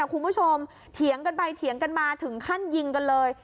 อู้หูคุณผู้ชมเถียงกันไปเถียงกันมาถึงขั้นยิงกันเลย